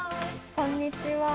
こんにちは。